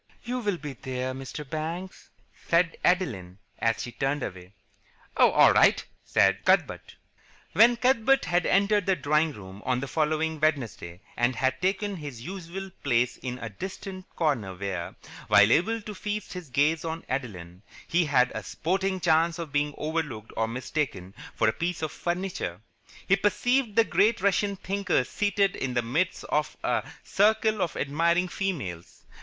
"You will be there, Mr. Banks?" said Adeline, as he turned away. "Oh, all right," said Cuthbert. When Cuthbert had entered the drawing room on the following Wednesday and had taken his usual place in a distant corner where, while able to feast his gaze on Adeline, he had a sporting chance of being overlooked or mistaken for a piece of furniture, he perceived the great Russian thinker seated in the midst of a circle of admiring females.